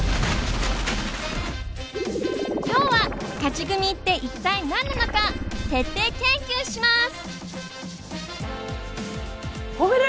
今日は「勝ち組」って一体何なのか徹底研究します！